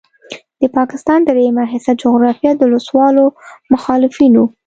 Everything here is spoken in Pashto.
د پاکستان دریمه حصه جغرافیه د وسلوالو مخالفینو